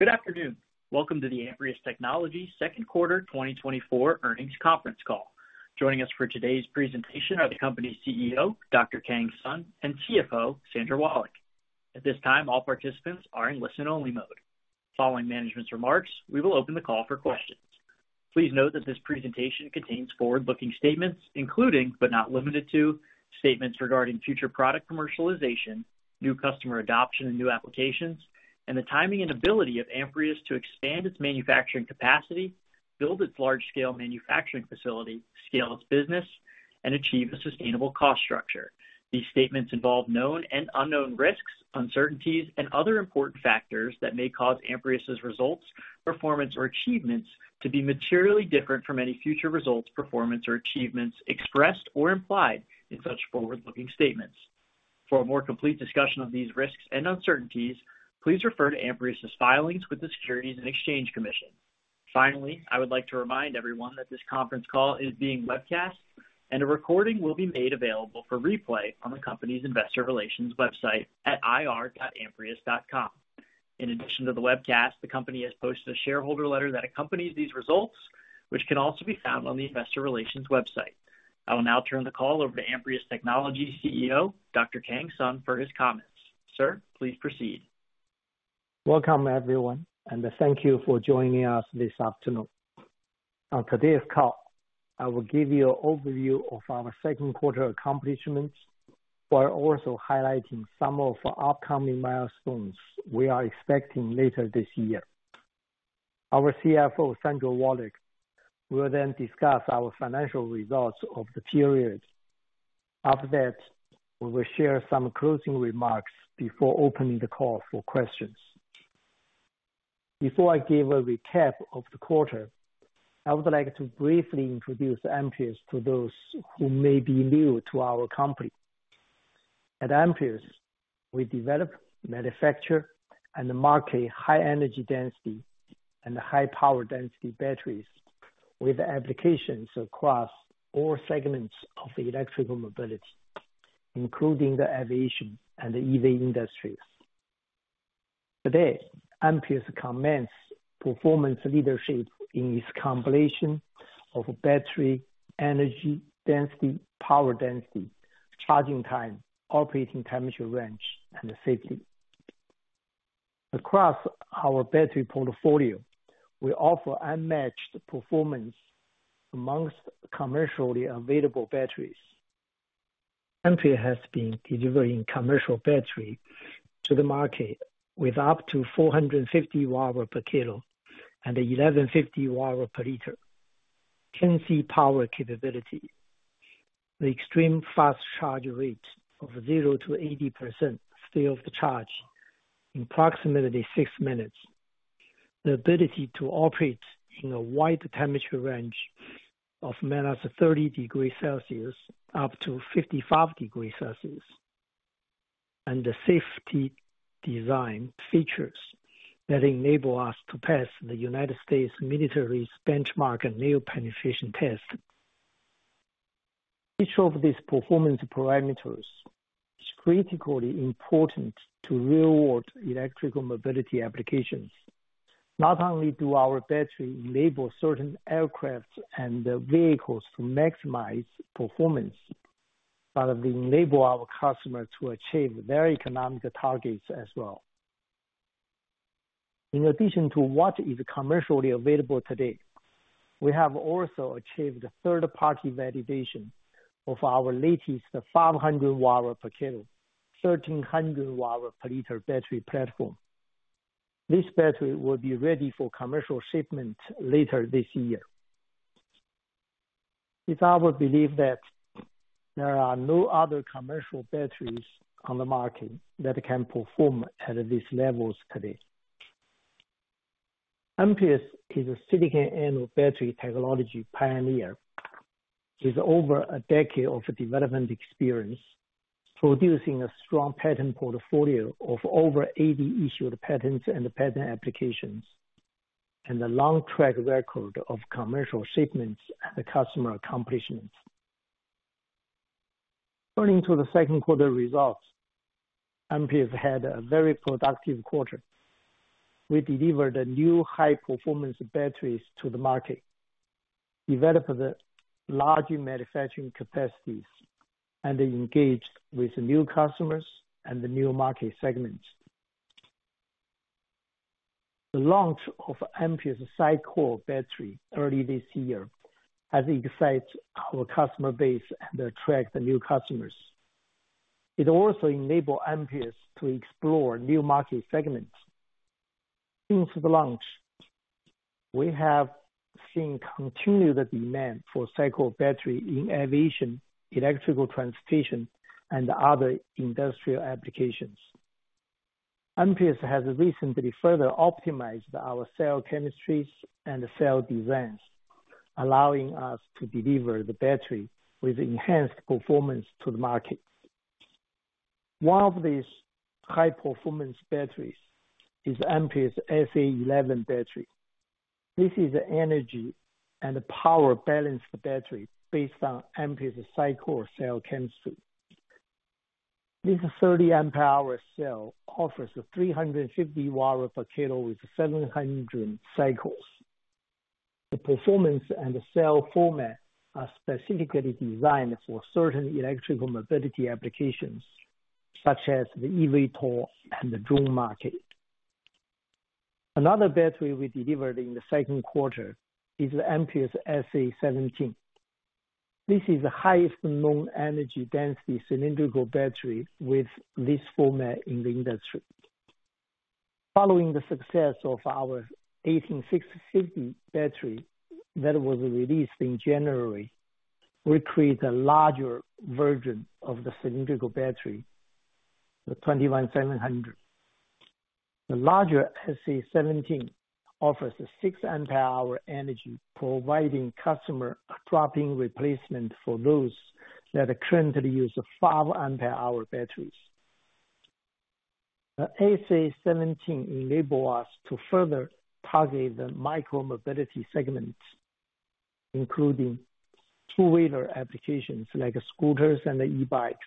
Good afternoon. Welcome to the Amprius Technologies Second Quarter 2024 Earnings Conference Call. Joining us for today's presentation are the company's CEO, Dr. Kang Sun, and CFO, Sandra Wallach. At this time, all participants are in listen-only mode. Following management's remarks, we will open the call for questions. Please note that this presentation contains forward-looking statements, including, but not limited to, statements regarding future product commercialization, new customer adoption and new applications, and the timing and ability of Amprius to expand its manufacturing capacity, build its large-scale manufacturing facility, scale its business, and achieve a sustainable cost structure. These statements involve known and unknown risks, uncertainties, and other important factors that may cause Amprius's results, performance, or achievements to be materially different from any future results, performance, or achievements expressed or implied in such forward-looking statements. For a more complete discussion of these risks and uncertainties, please refer to Amprius's filings with the Securities and Exchange Commission. Finally, I would like to remind everyone that this conference call is being webcast, and a recording will be made available for replay on the company's investor relations website at ir.amprius.com. In addition to the webcast, the company has posted a shareholder letter that accompanies these results, which can also be found on the investor relations website. I will now turn the call over to Amprius Technologies CEO, Dr. Kang Sun, for his comments. Sir, please proceed. Welcome, everyone, and thank you for joining us this afternoon. On today's call, I will give you an overview of our second quarter accomplishments, while also highlighting some of our upcoming milestones we are expecting later this year. Our CFO, Sandra Wallach, will then discuss our financial results of the period. After that, we will share some closing remarks before opening the call for questions. Before I give a recap of the quarter, I would like to briefly introduce Amprius to those who may be new to our company. At Amprius, we develop, manufacture, and market high-energy density and high-power density batteries with applications across all segments of electrical mobility, including the aviation and the EV industries. Today, Amprius commands performance leadership in its combination of battery energy density, power density, charging time, operating temperature range, and safety. Across our battery portfolio, we offer unmatched performance amongst commercially available batteries. Amprius has been delivering commercial battery to the market with up to 450 Wh/kg and 1150 Wh/L, 10C power capability, the extreme fast charge rate of 0%-80% state of charge in approximately 6 minutes, the ability to operate in a wide temperature range of -30 degrees Celsius up to 55 degrees Celsius, and the safety design features that enable us to pass the United States military's benchmark nail penetration test. Each of these performance parameters is critically important to real-world electrical mobility applications. Not only do our battery enable certain aircrafts and, vehicles to maximize performance, but we enable our customers to achieve their economic targets as well. In addition to what is commercially available today, we have also achieved third-party validation of our latest 500 Wh/kg, 1,300 Wh/L battery platform. This battery will be ready for commercial shipment later this year. It's our belief that there are no other commercial batteries on the market that can perform at these levels today. Amprius is a silicon anode battery technology pioneer, with over a decade of development experience, producing a strong patent portfolio of over 80 issued patents and patent applications, and a long track record of commercial shipments and customer accomplishments. Turning to the second quarter results, Amprius had a very productive quarter. We delivered a new high-performance batteries to the market, developed the larger manufacturing capacities, and engaged with new customers and the new market segments. The launch of Amprius's SiCore battery early this year has excited our customer base and attract new customers. It also enable Amprius to explore new market segments. Since the launch, we have seen continued demand for SiCore battery in aviation, electrical transportation, and other industrial applications. Amprius has recently further optimized our cell chemistries and cell designs, allowing us to deliver the battery with enhanced performance to the market. One of these high-performance batteries is Amprius SA11 battery. This is an energy and power balanced battery based on Amprius SiCore cell chemistry. This is a 30 amp hour cell offers a 350 watt per kilo with 700 cycles. The performance and the cell format are specifically designed for certain electrical mobility applications, such as the eVTOL and the drone market. Another battery we delivered in the second quarter is the Amprius SA17. This is the highest known energy density cylindrical battery with this format in the industry. Following the success of our 18650 battery that was released in January, we create a larger version of the cylindrical battery, the 21700. The larger SA17 offers a 6 amp-hour energy, providing customer a drop-in replacement for those that currently use 5 amp-hour batteries. The SA17 enable us to further target the micromobility segment, including two-wheeler applications like scooters and e-bikes,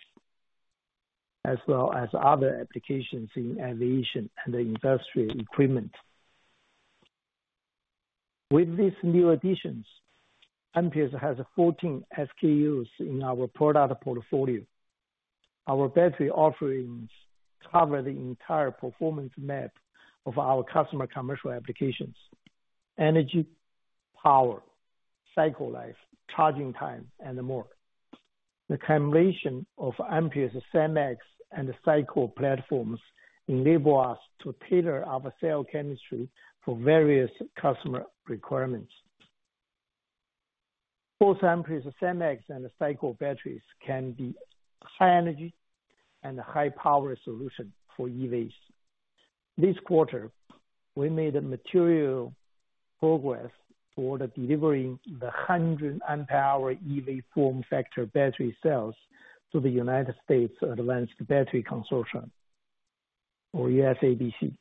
as well as other applications in aviation and industrial equipment. With these new additions, Amprius has 14 SKUs in our product portfolio. Our battery offerings cover the entire performance map of our customer commercial applications: energy, power, cycle life, charging time, and more. The combination of Amprius SiMaxx and the SiCore platforms enable us to tailor our cell chemistry for various customer requirements. Both Amprius SiMaxx and the SiCore batteries can be high energy and high power solution for EVs. This quarter, we made a material progress toward delivering the 100 Ah EV form factor battery cells to the United States Advanced Battery Consortium or USABC.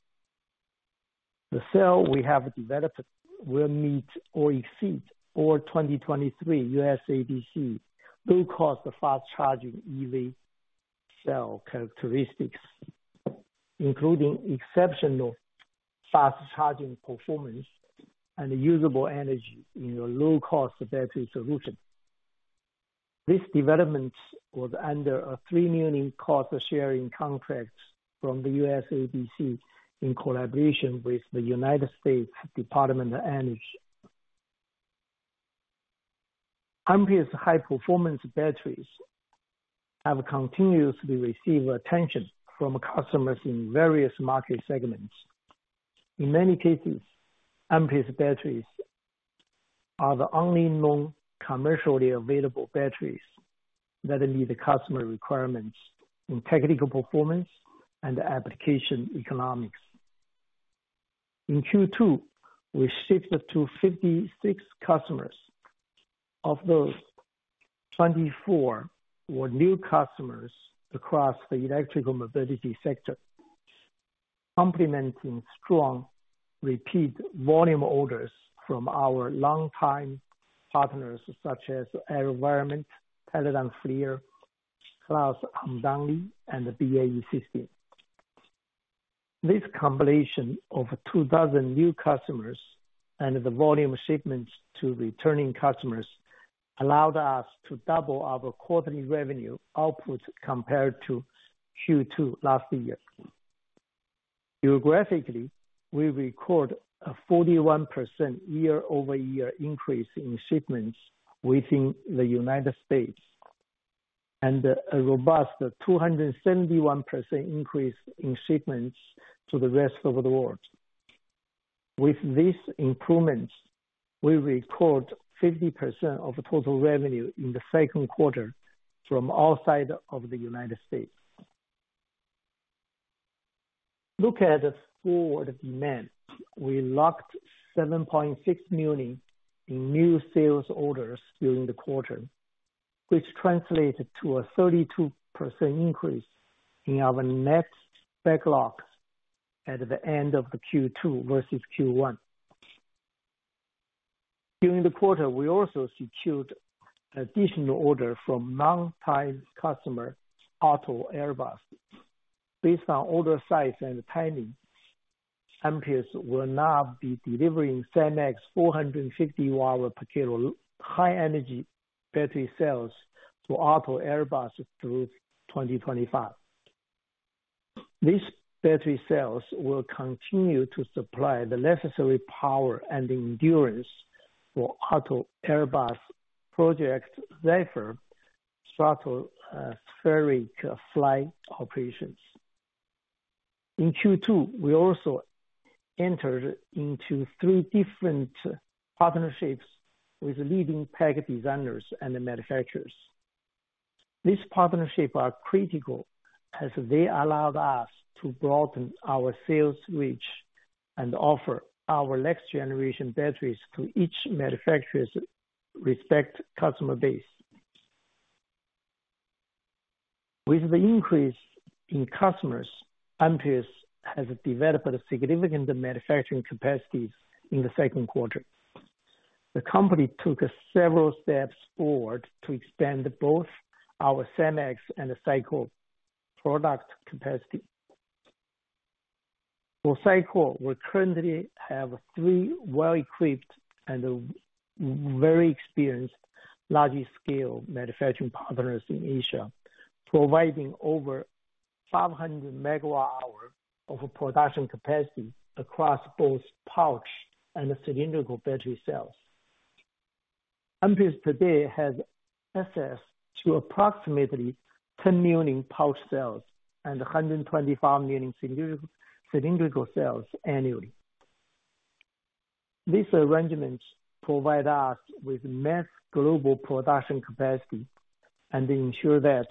The cell we have developed will meet or exceed our 2023 USABC low cost, the fast charging EV cell characteristics, including exceptional fast charging performance and usable energy in a low cost battery solution. This development was under a $3 million cost-sharing contracts from the USABC in collaboration with the United States Department of Energy. Amprius high performance batteries have continuously received attention from customers in various market segments. In many cases, Amprius batteries are the only known commercially available batteries that meet the customer requirements in technical performance and application economics. In Q2, we shifted to 56 customers. Of those, 24 were new customers across the electrical mobility sector, complementing strong repeat volume orders from our longtime partners, such as AeroVironment, Teledyne FLIR, Kraus Hamdani, and the BAE Systems. This combination of 24 new customers and the volume shipments to returning customers allowed us to double our quarterly revenue output compared to Q2 last year. Geographically, we record a 41% year-over-year increase in shipments within the United States and a robust 271% increase in shipments to the rest of the world. With these improvements, we record 50% of total revenue in the second quarter from outside of the United States. Look at the forward demand. We locked $7.6 million in new sales orders during the quarter, which translated to a 32% increase in our net backlogs at the end of the Q2 versus Q1. During the quarter, we also secured additional order from longtime customer, AALTO Airbus. Based on order, size, and timing, Amprius will now be delivering SiMaxx 450 Wh/kg high energy battery cells to AALTO Airbus through 2025. These battery cells will continue to supply the necessary power and endurance for AALTO Airbus Project Zephyr Stratospheric Flight Operations. In Q2, we also entered into three different partnerships with leading pack designers and manufacturers. These partnerships are critical as they allowed us to broaden our sales reach and offer our next generation batteries to each manufacturer's respective customer base. With the increase in customers, Amprius has developed a significant manufacturing capacities in the second quarter. The company took several steps forward to extend both our SiMaxx and SiCore product capacity. For SiCore, we currently have three well-equipped and very experienced large-scale manufacturing partners in Asia, providing over 500 megawatt hour of production capacity across both pouch and cylindrical battery cells. Amprius today has access to approximately 10 million pouch cells and 125 million cylindrical cells annually. These arrangements provide us with mass global production capacity and ensure that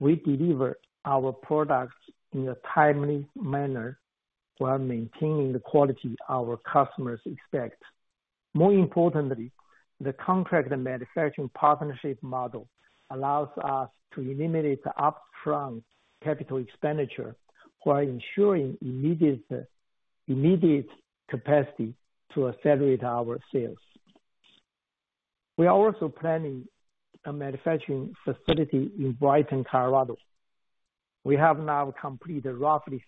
we deliver our products in a timely manner while maintaining the quality our customers expect. More importantly, the contract manufacturing partnership model allows us to eliminate the upfront capital expenditure while ensuring immediate capacity to accelerate our sales. We are also planning a manufacturing facility in Brighton, Colorado. We have now completed roughly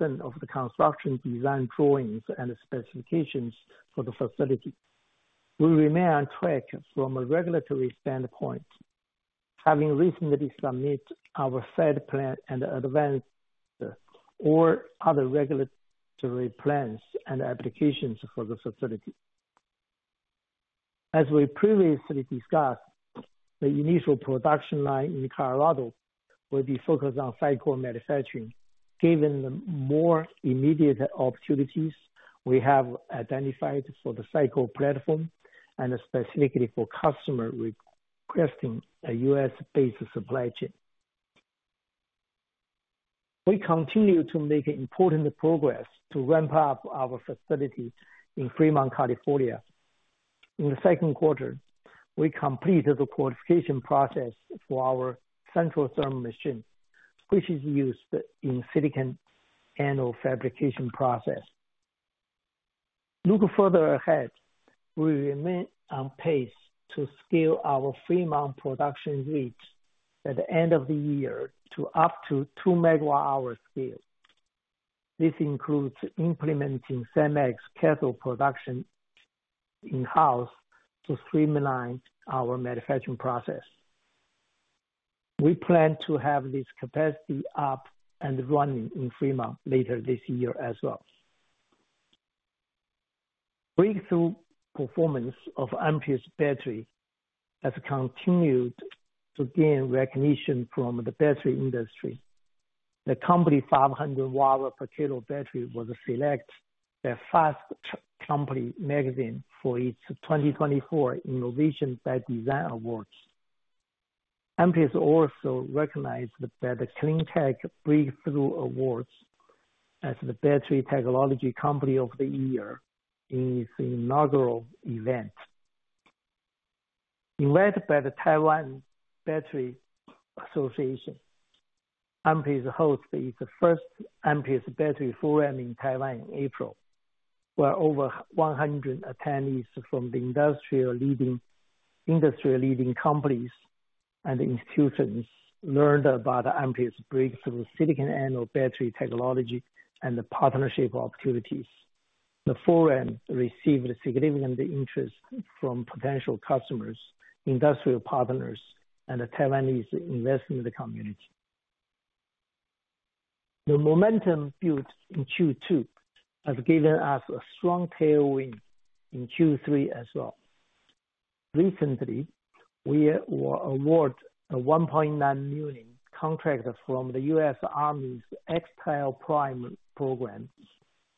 60% of the construction design drawings and specifications for the facility. We remain on track from a regulatory standpoint, having recently submitted our third plan and advanced all other regulatory plans and applications for the facility. As we previously discussed, the initial production line in Colorado will be focused on SiCore manufacturing, given the more immediate opportunities we have identified for the SiCore platform and specifically for customer requesting a U.S.-based supply chain. We continue to make important progress to ramp up our facility in Fremont, California. In the second quarter, we completed the qualification process for our Centrotherm machine, which is used in silicon anode fabrication process. Look further ahead, we remain on pace to scale our Fremont production reach at the end of the year to up to 2 megawatt-hour scale. This includes implementing SiMaxx cathode production in-house to streamline our manufacturing process. We plan to have this capacity up and running in Fremont later this year as well. Breakthrough performance of Amprius batteries has continued to gain recognition from the battery industry. The company's 500 Wh/kg battery was selected by Fast Company for its 2024 Innovation by Design Awards. Amprius was also recognized by the Cleantech Breakthrough Awards as the Battery Technology Company of the Year in its inaugural event. Invited by the Taiwan Battery Association, Amprius hosted the first Amprius Battery Forum in Taiwan in April, where over 100 attendees from industry-leading companies and institutions learned about Amprius' breakthrough silicon anode battery technology and the partnership opportunities. The forum received significant interest from potential customers, industrial partners, and the Taiwanese investment community. The momentum built in Q2 has given us a strong tailwind in Q3 as well. Recently, we were awarded a $1.9 million contract from the U.S. Army's xTechXL Prime program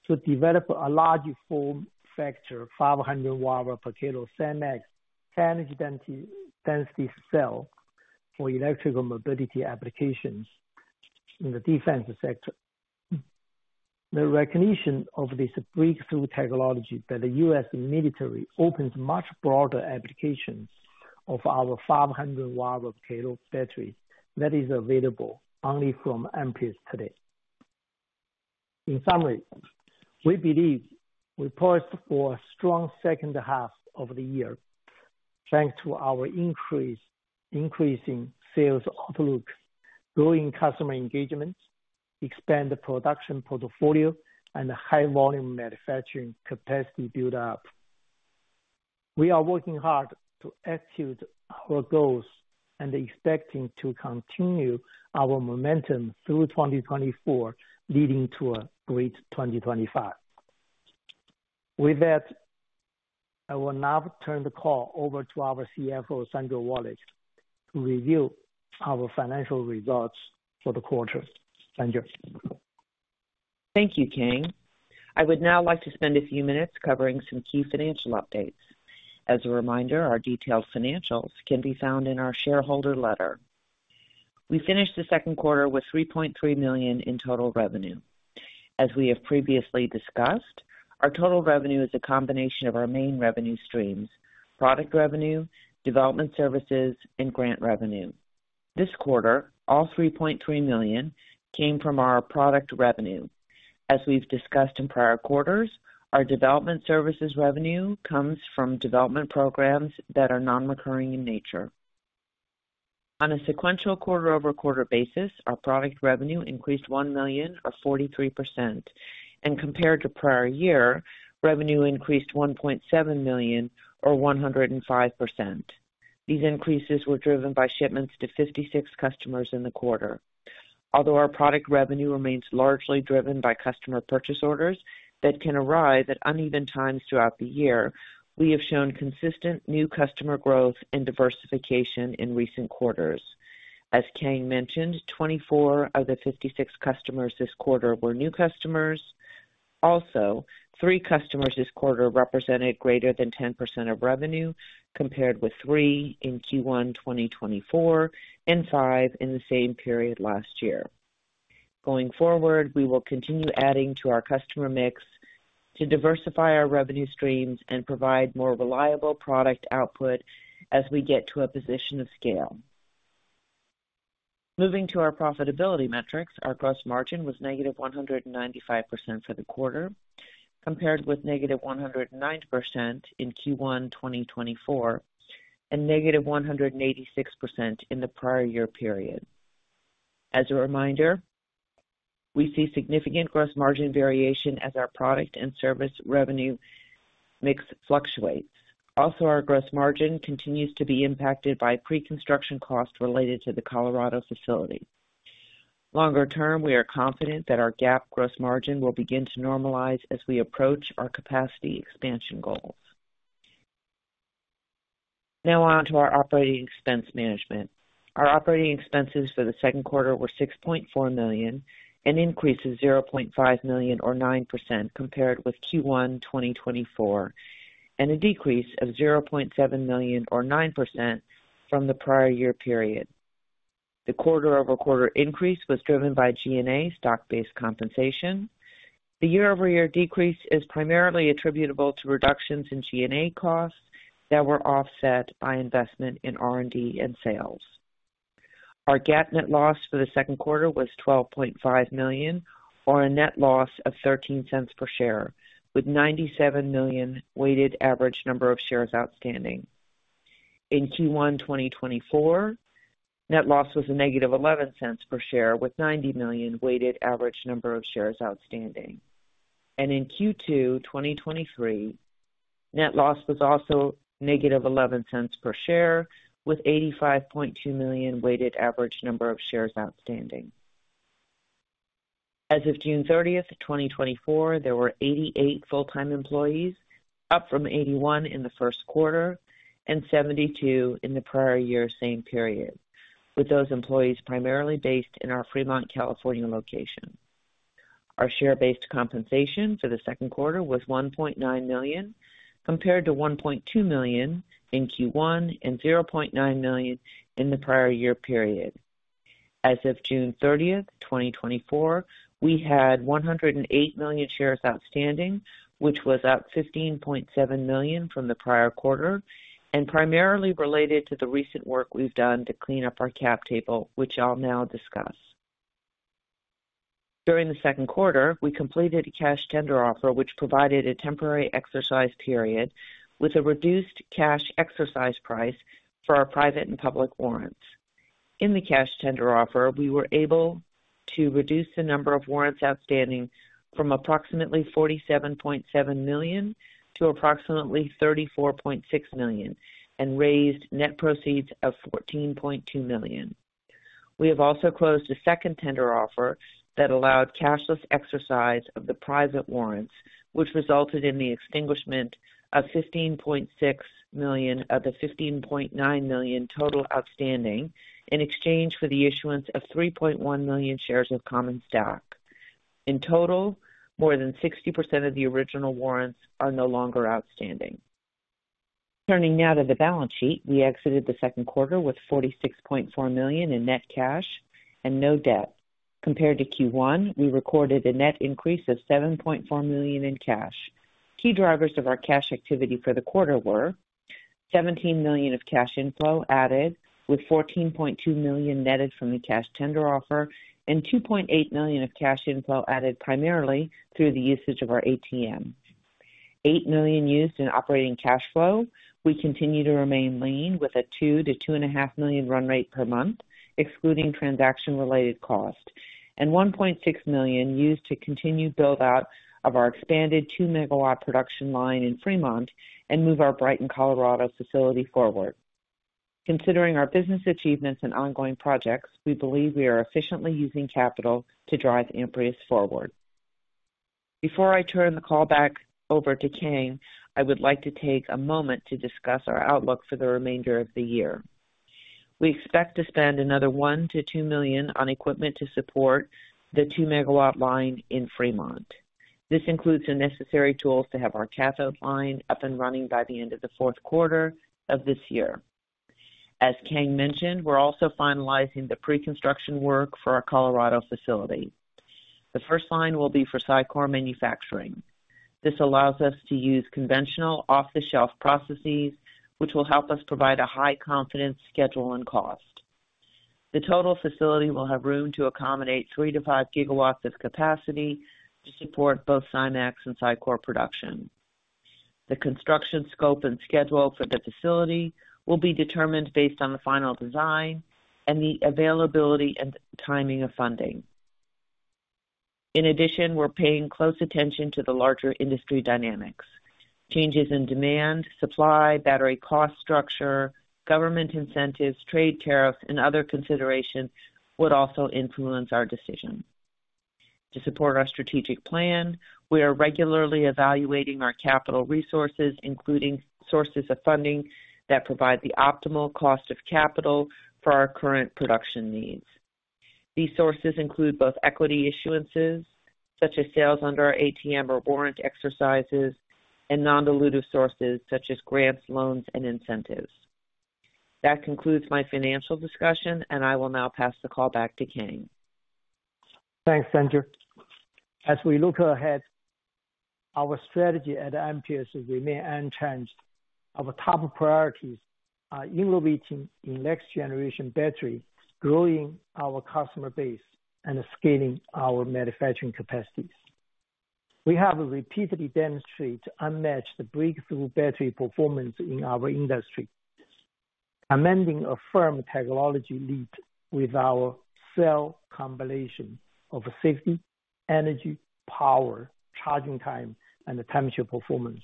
to develop a large form factor, 500 Wh/kg SiMaxx energy density cell for electrical mobility applications in the defense sector. The recognition of this breakthrough technology by the U.S. military opens much broader applications of our 500 Wh/kg battery that is available only from Amprius today. In summary, we believe we poised for a strong second half of the year, thanks to our increasing sales outlook, growing customer engagement, expand the production portfolio, and high volume manufacturing capacity build up. We are working hard to execute our goals and expecting to continue our momentum through 2024, leading to a great 2025. With that, I will now turn the call over to our CFO, Sandra Wallach, to review our financial results for the quarter. Sandra? Thank you, Kang. I would now like to spend a few minutes covering some key financial updates. As a reminder, our detailed financials can be found in our shareholder letter. We finished the second quarter with $3.3 million in total revenue. As we have previously discussed, our total revenue is a combination of our main revenue streams: product revenue, development services, and grant revenue... This quarter, all $3.3 million came from our product revenue. As we've discussed in prior quarters, our development services revenue comes from development programs that are non-recurring in nature. On a sequential quarter-over-quarter basis, our product revenue increased $1 million or 43%, and compared to prior year, revenue increased $1.7 million or 105%. These increases were driven by shipments to 56 customers in the quarter. Although our product revenue remains largely driven by customer purchase orders that can arrive at uneven times throughout the year, we have shown consistent new customer growth and diversification in recent quarters. As Kang mentioned, 24 of the 56 customers this quarter were new customers. Also, three customers this quarter represented greater than 10% of revenue, compared with three in Q1 2024 and five in the same period last year. Going forward, we will continue adding to our customer mix to diversify our revenue streams and provide more reliable product output as we get to a position of scale. Moving to our profitability metrics. Our gross margin was negative 195% for the quarter, compared with negative 109% in Q1 2024 and negative 186% in the prior year period. As a reminder, we see significant gross margin variation as our product and service revenue mix fluctuates. Also, our gross margin continues to be impacted by pre-construction costs related to the Colorado facility. Longer term, we are confident that our GAAP gross margin will begin to normalize as we approach our capacity expansion goals. Now on to our operating expense management. Our operating expenses for the second quarter were $6.4 million, an increase of $0.5 million, or 9% compared with Q1 2024, and a decrease of $0.7 million, or 9% from the prior year period. The quarter-over-quarter increase was driven by G&A stock-based compensation. The year-over-year decrease is primarily attributable to reductions in G&A costs that were offset by investment in R&D and sales. Our GAAP net loss for the second quarter was $12.5 million, or a net loss of $0.13 per share, with 97 million weighted average number of shares outstanding. In Q1 2024, net loss was -$0.11 per share, with 90 million weighted average number of shares outstanding. In Q2 2023, net loss was also -$0.11 per share, with 85.2 million weighted average number of shares outstanding. As of June 30, 2024, there were 88 full-time employees, up from 81 in the first quarter and 72 in the prior year same period, with those employees primarily based in our Fremont, California, location. Our share-based compensation for the second quarter was $1.9 million, compared to $1.2 million in Q1 and $0.9 million in the prior year period. As of June 30, 2024, we had 108 million shares outstanding, which was up 15.7 million from the prior quarter and primarily related to the recent work we've done to clean up our cap table, which I'll now discuss. During the second quarter, we completed a cash tender offer, which provided a temporary exercise period with a reduced cash exercise price for our private and public warrants. In the cash tender offer, we were able to reduce the number of warrants outstanding from approximately 47.7 million to approximately 34.6 million and raised net proceeds of $14.2 million. We have also closed a second tender offer that allowed cashless exercise of the private warrants, which resulted in the extinguishment of $15.6 million of the $15.9 million total outstanding, in exchange for the issuance of 3.1 million shares of common stock. In total, more than 60% of the original warrants are no longer outstanding. Turning now to the balance sheet. We exited the second quarter with $46.4 million in net cash and no debt. Compared to Q1, we recorded a net increase of $7.4 million in cash. Key drivers of our cash activity for the quarter were $17 million of cash inflow added, with $14.2 million netted from the cash tender offer and $2.8 million of cash inflow added primarily through the usage of our ATM. $8 million used in operating cash flow. We continue to remain lean with a $2-$2.5 million run rate per month, excluding transaction-related costs, and $1.6 million used to continue build-out of our expanded 2-megawatt production line in Fremont and move our Brighton, Colorado, facility forward. Considering our business achievements and ongoing projects, we believe we are efficiently using capital to drive Amprius forward. Before I turn the call back over to Kang, I would like to take a moment to discuss our outlook for the remainder of the year. We expect to spend another $1-$2 million on equipment to support the 2-megawatt line in Fremont. This includes the necessary tools to have our cathode line up and running by the end of the fourth quarter of this year. As Kang mentioned, we're also finalizing the pre-construction work for our Colorado facility.... The first line will be for SiCore manufacturing. This allows us to use conventional off-the-shelf processes, which will help us provide a high confidence schedule and cost. The total facility will have room to accommodate 3-5 gigawatts of capacity to support both SiMaxx and SiCore production. The construction scope and schedule for the facility will be determined based on the final design and the availability and timing of funding. In addition, we're paying close attention to the larger industry dynamics. Changes in demand, supply, battery cost structure, government incentives, trade tariffs, and other considerations would also influence our decision. To support our strategic plan, we are regularly evaluating our capital resources, including sources of funding that provide the optimal cost of capital for our current production needs. These sources include both equity issuances, such as sales under our ATM or warrant exercises, and non-dilutive sources such as grants, loans, and incentives. That concludes my financial discussion, and I will now pass the call back to Kang. Thanks, Sandra. As we look ahead, our strategy at Amprius remains unchanged. Our top priorities are innovating in next generation battery, growing our customer base, and scaling our manufacturing capacities. We have repeatedly demonstrated unmatched breakthrough battery performance in our industry, maintaining a firm technology lead with our cell combination of safety, energy, power, charging time, and temperature performance.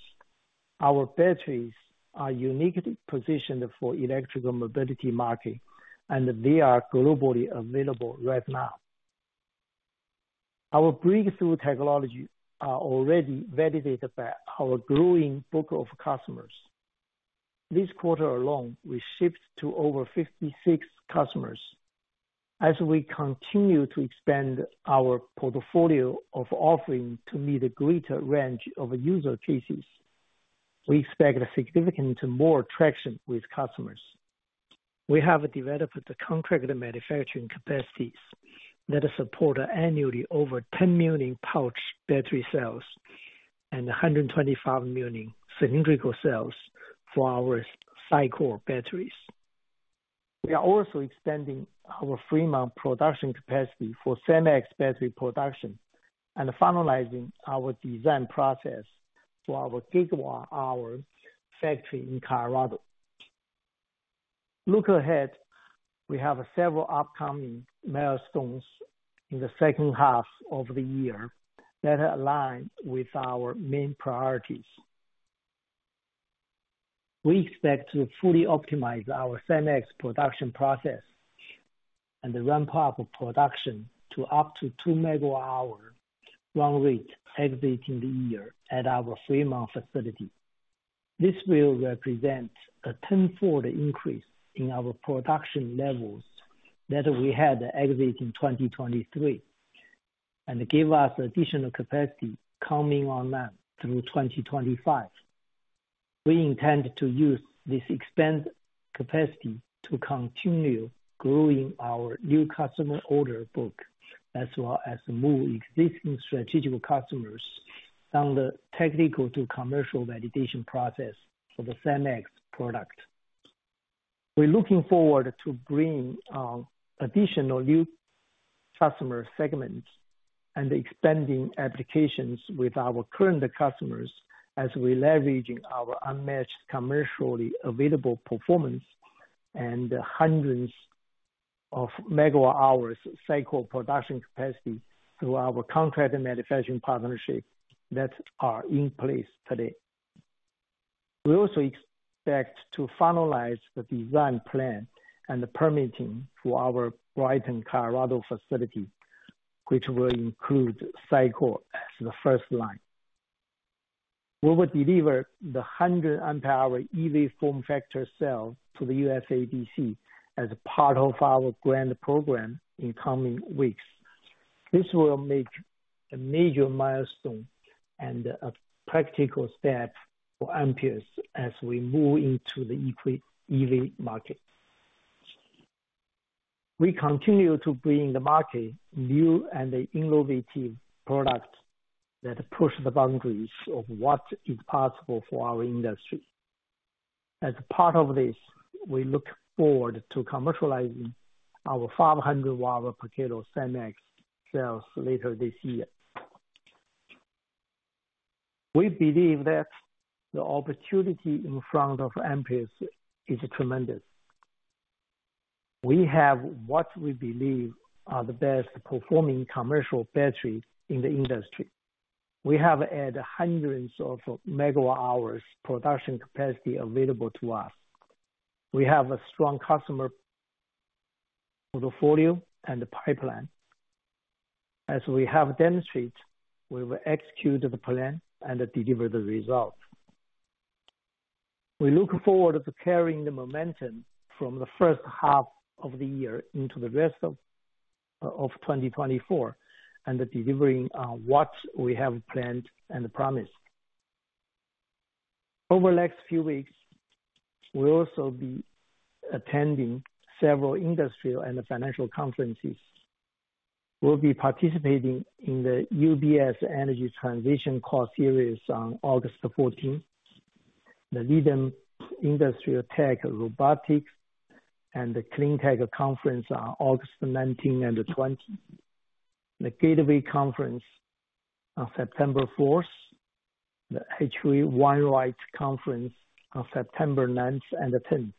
Our batteries are uniquely positioned for electrical mobility market, and they are globally available right now. Our breakthrough technologies are already validated by our growing book of customers. This quarter alone, we shipped to over 56 customers. As we continue to expand our portfolio of offerings to meet a greater range of use cases, we expect significantly more traction with customers. We have developed the contracted manufacturing capacities that support annually over 10 million pouch battery cells and 125 million cylindrical cells for our SiCore batteries. We are also extending our Fremont production capacity for SiMaxx battery production and finalizing our design process for our gigawatt-hour factory in Colorado. Looking ahead, we have several upcoming milestones in the second half of the year that align with our main priorities. We expect to fully optimize our SiMaxx production process and the ramp up of production to up to 2 megawatt-hour run rate exiting the year at our Fremont facility. This will represent a tenfold increase in our production levels that we had exiting 2023, and give us additional capacity coming online through 2025. We intend to use this expanded capacity to continue growing our new customer order book, as well as move existing strategic customers on the technical to commercial validation process for the SiMaxx product. We're looking forward to bringing additional new customer segments and expanding applications with our current customers as we leveraging our unmatched, commercially available performance and hundreds of megawatt-hours SiCore production capacity through our contract and manufacturing partnerships that are in place today. We also expect to finalize the design plan and the permitting for our Brighton, Colorado facility, which will include SiCore as the first line. We will deliver the 100 amp-hour EV form factor cell to the USABC as a part of our grant program in coming weeks. This will make a major milestone and a practical step for Amprius as we move into the EV market. We continue to bring the market new and innovative products that push the boundaries of what is possible for our industry. As part of this, we look forward to commercializing our 500 Wh/kg SiMaxx cells later this year. We believe that the opportunity in front of Amprius is tremendous. We have what we believe are the best performing commercial batteries in the industry. We have added hundreds of MWh production capacity available to us. We have a strong customer portfolio and pipeline. As we have demonstrated, we will execute the plan and deliver the results. We look forward to carrying the momentum from the first half of the year into the rest of 2024, and delivering what we have planned and promised. Over the next few weeks, we'll also be attending several industrial and financial conferences. We'll be participating in the UBS Energy Transition Core Series on August 14, the Needham Industrial Tech, Robotics, and Clean Tech Conference on August 19 and 20. The Gateway Conference on September 4, the H.C. Wainwright Global Investment Conference on September 9 and 10.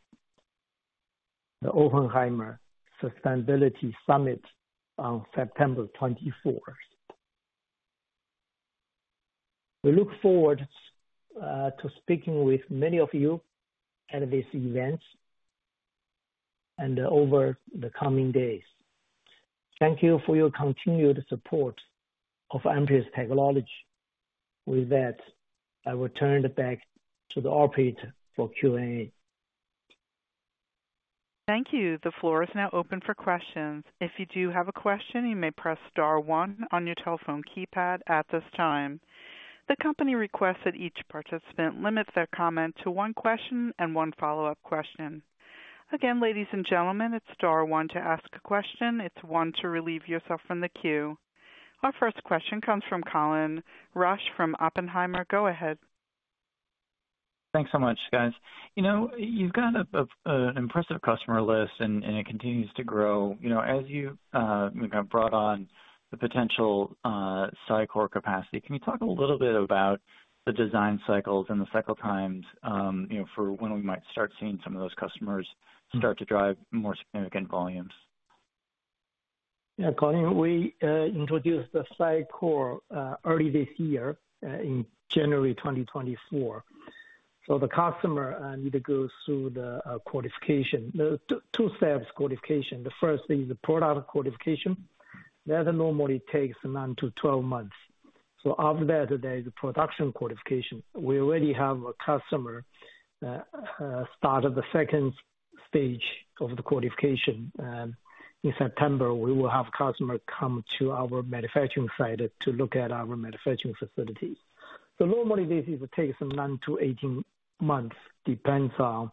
The Oppenheimer Sustainability Summit on September 24. We look forward to speaking with many of you at these events and over the coming days. Thank you for your continued support of Amprius Technologies. With that, I will turn it back to the operator for Q&A. Thank you. The floor is now open for questions. If you do have a question, you may press star one on your telephone keypad at this time. The company requests that each participant limits their comment to one question and one follow-up question. Again, ladies and gentlemen, it's star one to ask a question. It's one to relieve yourself from the queue. Our first question comes from Colin Rusch from Oppenheimer. Go ahead. Thanks so much, guys. You know, you've got an impressive customer list and it continues to grow. You know, as you kind of brought on the potential SiCore capacity, can you talk a little bit about the design cycles and the cycle times, you know, for when we might start seeing some of those customers start to drive more significant volumes? Yeah, Colin, we introduced the SiCore early this year in January 2024. So the customer need to go through the qualification. There are two steps qualification. The first is the product qualification. That normally takes 9-12 months. So after that, there is the production qualification. We already have a customer started the second stage of the qualification. In September, we will have customer come to our manufacturing site to look at our manufacturing facility. So normally, this takes 9-18 months, depends on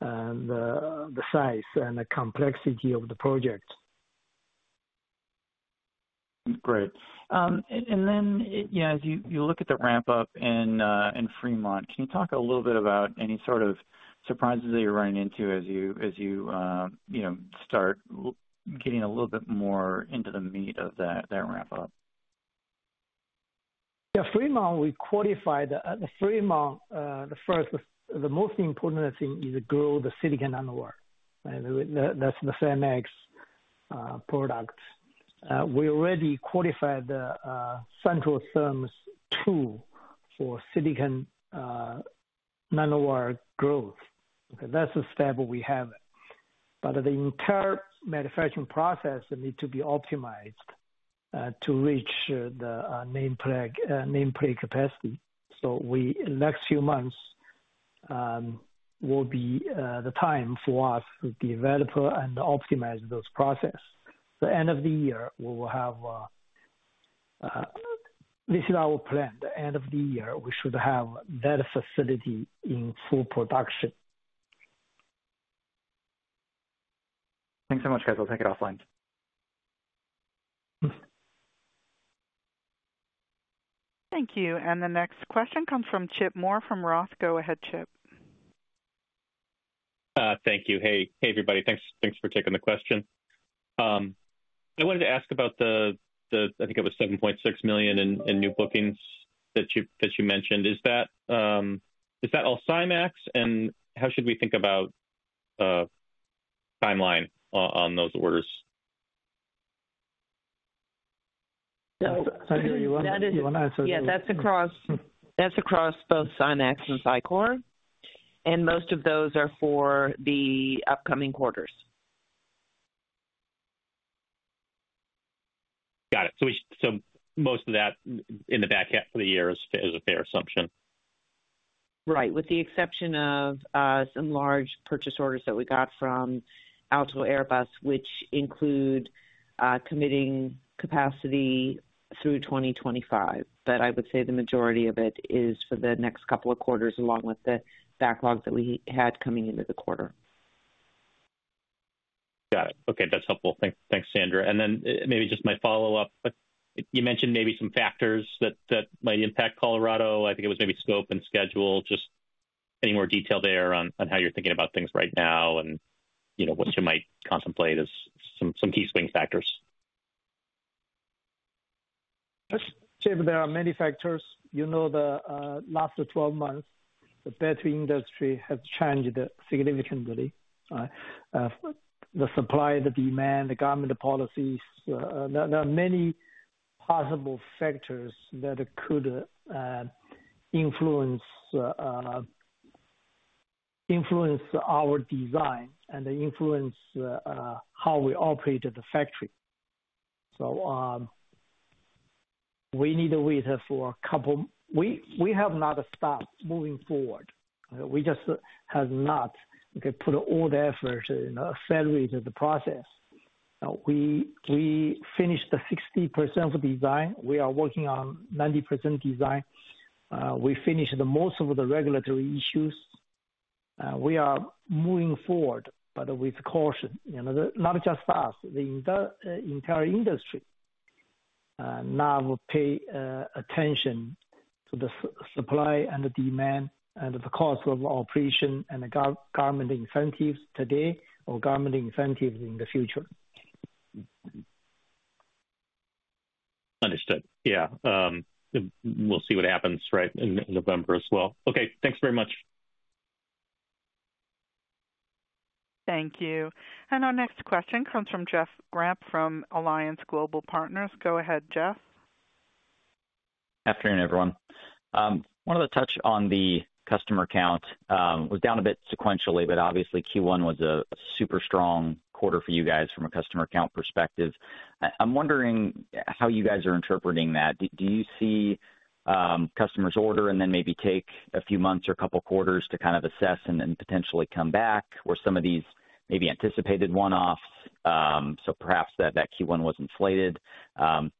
the size and the complexity of the project. Great. And then, yeah, as you look at the ramp up in Fremont, can you talk a little bit about any sort of surprises that you're running into as you, you know, start getting a little bit more into the meat of that ramp up? Yeah, Fremont, we qualified the Fremont. The most important thing is to grow the silicon nanowire. That's the SiMaxx product. We already qualified the Centrotherm tool for silicon nanowire growth. That's the scale we have. But the entire manufacturing process need to be optimized to reach the nameplate capacity. So, in the next few months, will be the time for us to develop and optimize those processes. The end of the year, we will have—this is our plan. The end of the year, we should have that facility in full production. Thanks so much, guys. I'll take it offline. Hmm. Thank you. The next question comes from Chip Moore from Roth. Go ahead, Chip. Thank you. Hey, hey, everybody. Thanks, thanks for taking the question. I wanted to ask about the, I think it was $7.6 million in new bookings that you mentioned. Is that all SiMaxx? And how should we think about timeline on those orders? Sandra, you want to answer? Yeah, that's across, that's across both SiMaxx and SiCore, and most of those are for the upcoming quarters. Got it. So most of that in the back half of the year is a fair assumption? Right. With the exception of some large purchase orders that we got from Aalto Airbus, which include committing capacity through 2025. But I would say the majority of it is for the next couple of quarters, along with the backlogs that we had coming into the quarter. Got it. Okay, that's helpful. Thanks, Sandra. And then maybe just my follow-up. You mentioned maybe some factors that might impact Colorado. I think it was maybe scope and schedule. Just any more detail there on how you're thinking about things right now and, you know, what you might contemplate as some key swing factors. Yes, Chip, there are many factors. You know, the last 12 months, the battery industry has changed significantly. The supply, the demand, the government policies. There are many possible factors that could influence our design and influence how we operate the factory. So, we need to wait for a couple... We have not stopped moving forward. We just have not. We put all the effort to accelerate the process... We finished 60% of design. We are working on 90% design. We finished most of the regulatory issues. We are moving forward, but with caution. You know, not just us, the entire industry now will pay attention to the supply and the demand and the cost of operation and the government incentives today or government incentives in the future. Understood. Yeah. We'll see what happens, right, in November as well. Okay, thanks very much. Thank you. And our next question comes from Jeff Grampp from Alliance Global Partners. Go ahead, Jeff. Good afternoon, everyone. Wanted to touch on the customer count, was down a bit sequentially, but obviously Q1 was a super strong quarter for you guys from a customer count perspective. I'm wondering how you guys are interpreting that. Do you see customers order and then maybe take a few months or a couple quarters to kind of assess and then potentially come back? Or some of these maybe anticipated one-offs, so perhaps that Q1 was inflated.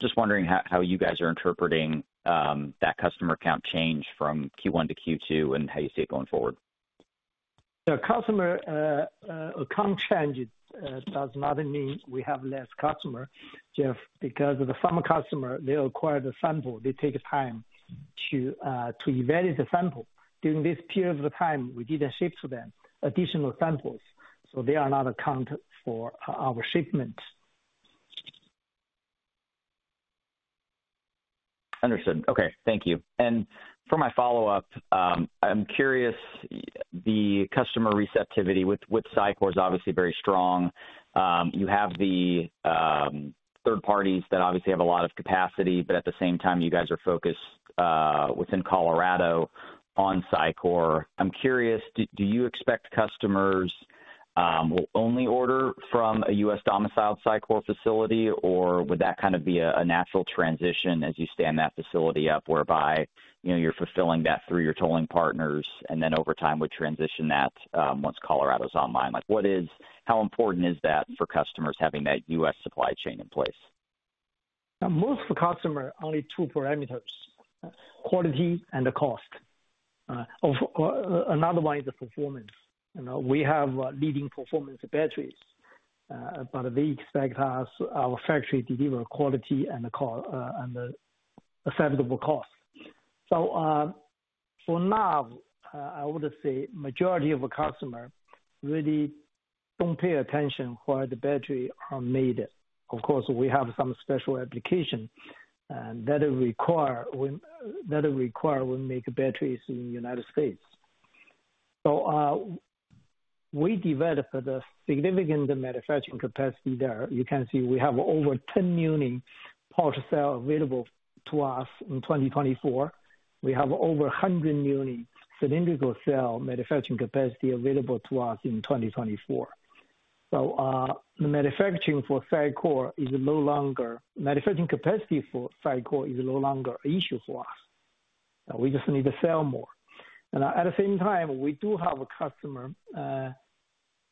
Just wondering how you guys are interpreting that customer count change from Q1 to Q2 and how you see it going forward. The customer account change does not mean we have less customer, Jeff, because of the former customer, they acquire the sample, they take time to evaluate the sample. During this period of the time, we didn't ship to them additional samples, so they are not accounted for our shipment. Understood. Okay. Thank you. And for my follow-up, I'm curious, the customer receptivity with SiCore is obviously very strong. You have the third parties that obviously have a lot of capacity, but at the same time, you guys are focused within Colorado on SiCore. I'm curious, do you expect customers will only order from a U.S. domiciled SiCore facility? Or would that kind of be a natural transition as you stand that facility up, whereby, you know, you're fulfilling that through your tolling partners, and then over time would transition that once Colorado's online? Like, what is- how important is that for customers having that U.S. supply chain in place? Most of the customer only two parameters, quality and the cost. Of course, another one is the performance. You know, we have leading performance batteries, but they expect us, our factory, to deliver quality and the cost, and the affordable cost. So, for now, I would say majority of the customer really don't pay attention where the battery are made. Of course, we have some special application that require we make batteries in the United States. So, we developed a significant manufacturing capacity there. You can see we have over 10 million pouch cell available to us in 2024. We have over 100 million cylindrical cell manufacturing capacity available to us in 2024. So, the manufacturing for SiCore is no longer... Manufacturing capacity for SiCore is no longer an issue for us. We just need to sell more. At the same time, we do have a customer who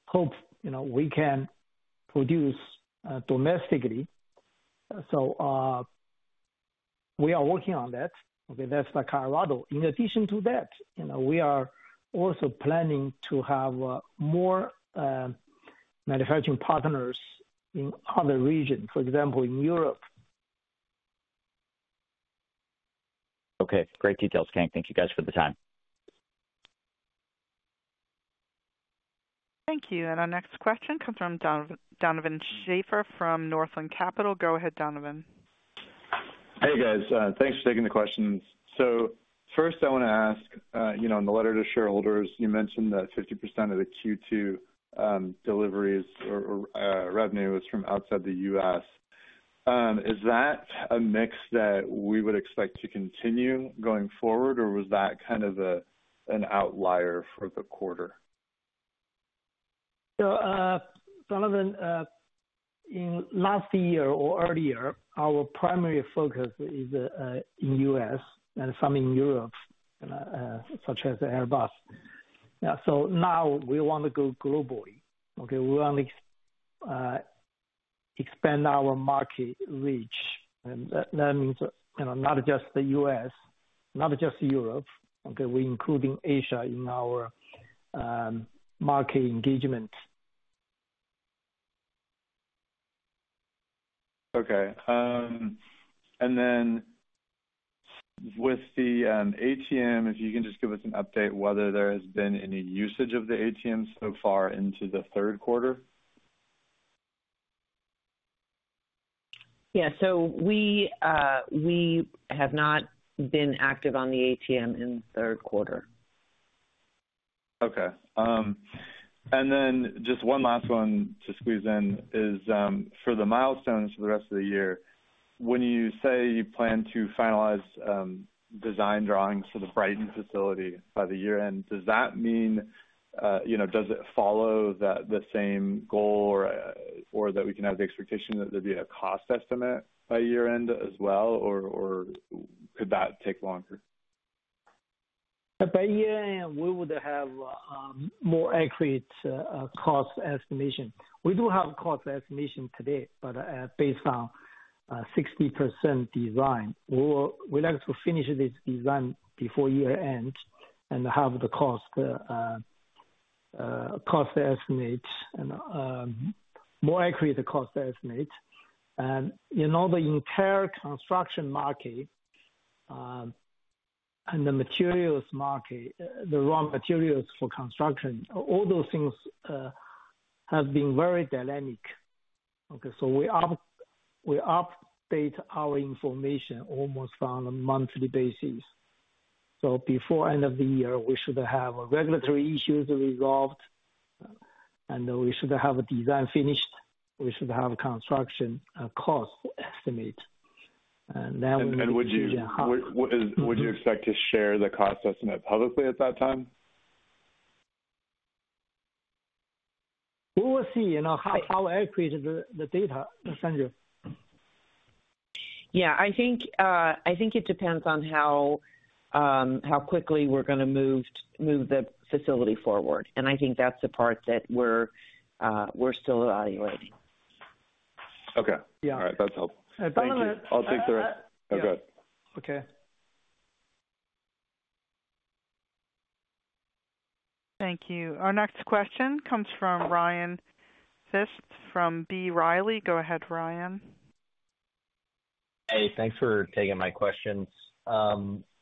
hopes, you know, we can produce domestically. We are working on that. Okay, that's the Colorado. In addition to that, you know, we are also planning to have more manufacturing partners in other regions, for example, in Europe. Okay. Great details, Kang. Thank you, guys, for the time. Thank you. Our next question comes from Donovan, Donovan Schafer, from Northland Capital. Go ahead, Donovan. Hey, guys, thanks for taking the questions. So first I want to ask, you know, in the letter to shareholders, you mentioned that 50% of the Q2 deliveries or revenue was from outside the U.S. Is that a mix that we would expect to continue going forward, or was that kind of an outlier for the quarter? So, Donovan, in last year or earlier, our primary focus is in U.S. and some in Europe, such as Airbus. So now we want to go globally, okay? We want to expand our market reach. And that, that means, you know, not just the U.S., not just Europe, okay? We including Asia in our market engagement. Okay. And then with the ATM, if you can just give us an update whether there has been any usage of the ATM so far into the third quarter? Yeah. So we have not been active on the ATM in the third quarter. Okay. And then just one last one to squeeze in is, for the milestones for the rest of the year, when you say you plan to finalize design drawings for the Brighton facility by the year-end, does that mean, you know, does it follow the, the same goal or, or that we can have the expectation that there'd be a cost estimate by year-end as well, or, or could that take longer? By year-end, we would have more accurate cost estimation. We do have cost estimation today, but based on 60% design. We like to finish this design before year-end and have the cost estimate and more accurate cost estimate. You know, the entire construction market and the materials market, the raw materials for construction, all those things have been very dynamic. Okay, so we update our information almost on a monthly basis. Before end of the year, we should have regulatory issues resolved, and we should have a design finished. We should have construction cost estimate, and then we will give you a- Would you expect to share the cost estimate publicly at that time? We will see, you know, how accurate is the data, Sandra. Yeah, I think it depends on how quickly we're going to move the facility forward. And I think that's the part that we're still evaluating. Okay. Yeah. All right. That's helpful. Thank you. I'll take the rest. Okay. Okay. Thank you. Our next question comes from Ryan Pfingst from B. Riley. Go ahead, Ryan. Hey, thanks for taking my questions.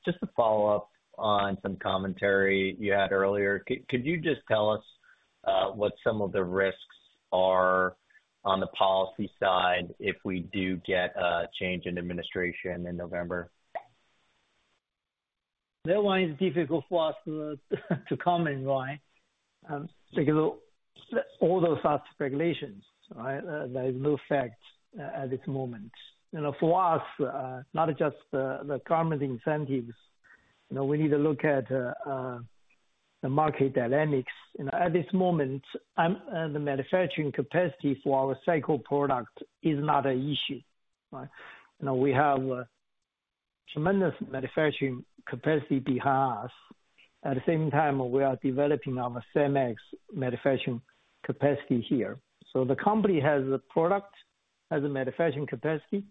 Just to follow up on some commentary you had earlier, could you just tell us what some of the risks are on the policy side if we do get a change in administration in November? That one is difficult for us to comment on, because all those are regulations, right? There is no fact at this moment. You know, for us, not just the government incentives, you know, we need to look at the market dynamics. You know, at this moment, the manufacturing capacity for our SiCore product is not an issue, right? You know, we have tremendous manufacturing capacity behind us. At the same time, we are developing our SiMaxx manufacturing capacity here. So the company has the product, has the manufacturing capacity,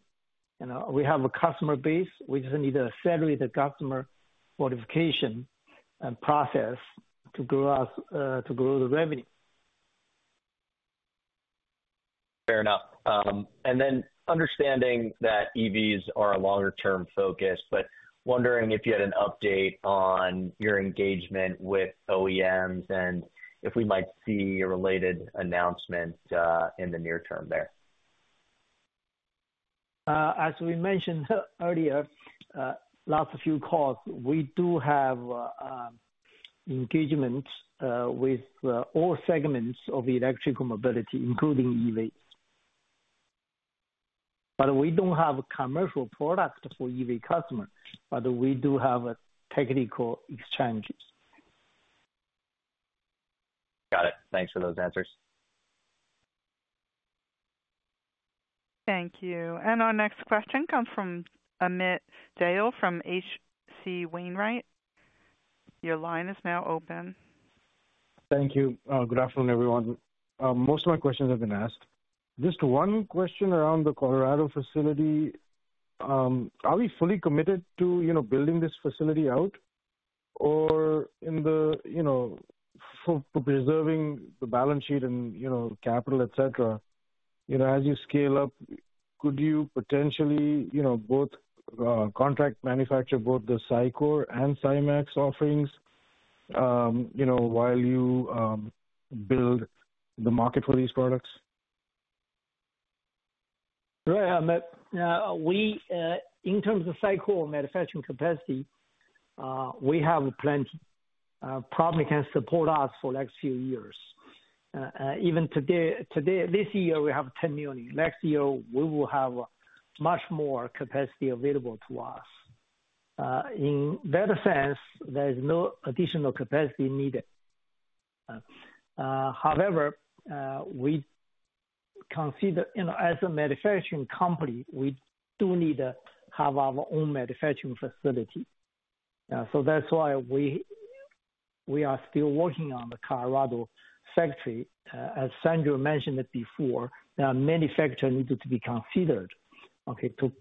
and we have a customer base. We just need to accelerate the customer modification and process to grow us, to grow the revenue. Fair enough. And then understanding that EVs are a longer-term focus, but wondering if you had an update on your engagement with OEMs and if we might see a related announcement in the near term there? As we mentioned earlier, last few calls, we do have engagement with all segments of electrical mobility, including EVs. But we don't have a commercial product for EV customers, but we do have technical exchanges. Got it. Thanks for those answers. Thank you. Our next question comes from Amit Dayal from H.C. Wainwright. Your line is now open. Thank you. Good afternoon, everyone. Most of my questions have been asked. Just one question around the Colorado facility. Are we fully committed to, you know, building this facility out? Or in the, you know, for preserving the balance sheet and, you know, capital, et cetera, you know, as you scale up, could you potentially, you know, both, contract manufacture both the SiCore and SiMaxx offerings, you know, while you, build the market for these products? Right, Amit, in terms of SiCore manufacturing capacity, we have plenty, probably can support us for next few years. Even today, this year, we have 10 million. Next year, we will have much more capacity available to us. In that sense, there is no additional capacity needed. However, we consider, you know, as a manufacturing company, we do need to have our own manufacturing facility. So that's why we are still working on the Colorado factory. As Sandra mentioned it before, there are many factors needed to be considered, okay, to...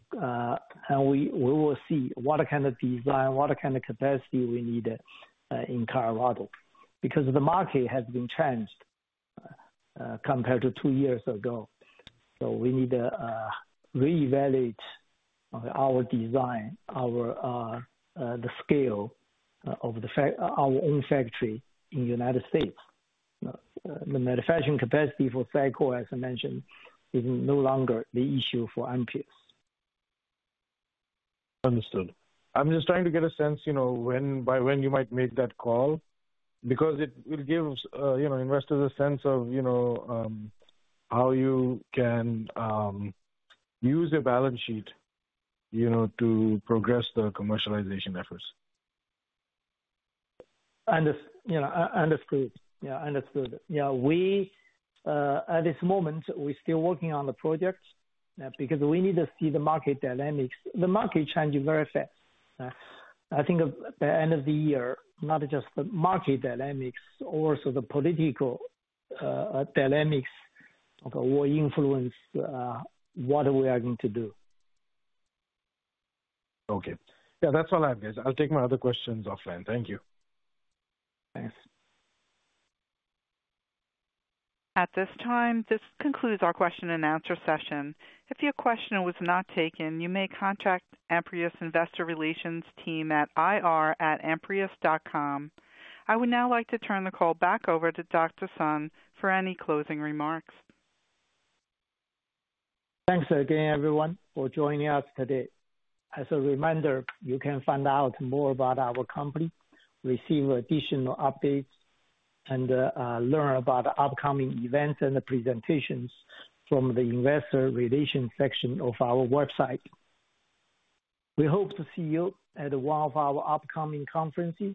And we will see what kind of design, what kind of capacity we need in Colorado, because the market has been changed compared to two years ago. So we need to reevaluate our design, our, the scale of our own factory in the United States. You know, the manufacturing capacity for SiCore, as I mentioned, is no longer the issue for Amprius. Understood. I'm just trying to get a sense, you know, when, by when you might make that call, because it will give, you know, investors a sense of, you know, how you can use your balance sheet, you know, to progress the commercialization efforts. Understood, you know. Understood. Yeah, we at this moment, we're still working on the project, because we need to see the market dynamics. The market changes very fast. I think at the end of the year, not just the market dynamics, also the political dynamics, okay, will influence what we are going to do. Okay. Yeah, that's all I have, guys. I'll take my other questions offline. Thank you. Thanks. At this time, this concludes our question and answer session. If your question was not taken, you may contact Amprius Investor Relations team at ir@amprius.com. I would now like to turn the call back over to Dr. Sun for any closing remarks. Thanks again, everyone, for joining us today. As a reminder, you can find out more about our company, receive additional updates, and learn about upcoming events and presentations from the Investor Relations section of our website. We hope to see you at one of our upcoming conferences,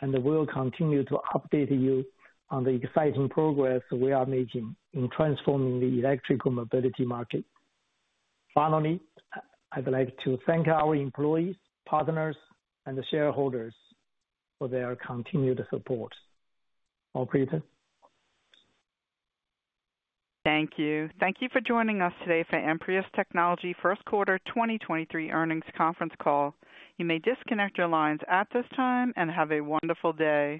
and we'll continue to update you on the exciting progress we are making in transforming the electrical mobility market. Finally, I'd like to thank our employees, partners, and shareholders for their continued support. Operator? Thank you. Thank you for joining us today for Amprius Technologies First Quarter 202 Earnings Conference Call. You may disconnect your lines at this time and have a wonderful day.